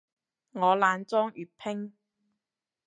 我懶裝粵拼